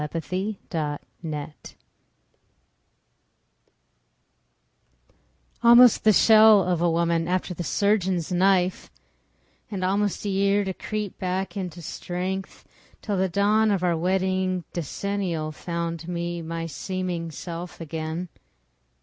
Pauline Barrett Almost the shell of a woman after the surgeon's knife And almost a year to creep back into strength, Till the dawn of our wedding decennial Found me my seeming self again.